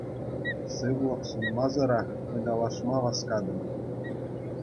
Сывлӑх сунмасӑрах ыталашма васкатӑн.